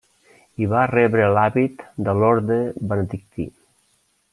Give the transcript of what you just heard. Hi va rebre l'hàbit de l'orde benedictí.